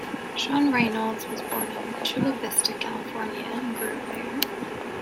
Sean Reynolds was born in Chula Vista, California, and grew up there.